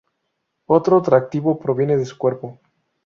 Otro atractivo proviene de su cuerpo.